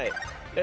え。